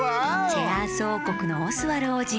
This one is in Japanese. チェアースおうこくのオスワルおうじ。